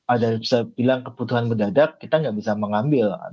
ada yang bisa bilang kebutuhan berdadak kita nggak bisa mengambil